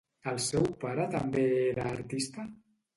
El seu pare també era artista?